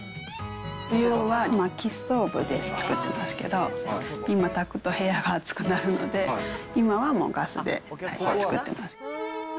冬場はまきストーブで作ってますけど、今たくと部屋が暑くなるので、今はもうガスで作ってます。